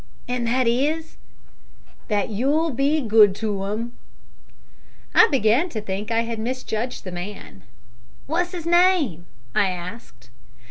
"And that is?" "That you'll be good to 'im." I began to think I had misjudged the man. "What's his name?" I asked.